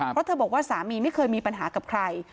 เพราะเธอบอกว่าสามีไม่เคยมีปัญหากับใคร